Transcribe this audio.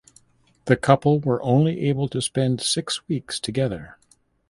The couple were only able to spend six weeks together.